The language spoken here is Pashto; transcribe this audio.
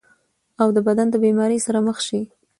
او بدن د بيمارۍ سره مخ شي -